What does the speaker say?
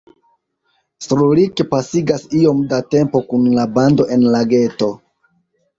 Srulik pasigas iom da tempo kun la bando en la geto.